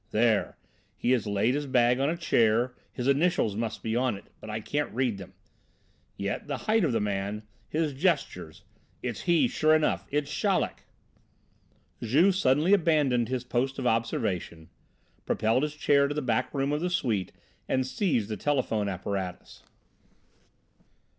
There, he has laid his bag on a chair, his initials must be on it, but I can't read them. Yet the height of the man! His gestures! It's he, sure enough, it's Chaleck!" Juve suddenly abandoned his post of observation, propelled his chair to the back room of the suite and seized the telephone apparatus.